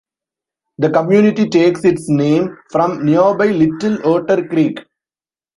The community takes its name from nearby Little Otter Creek.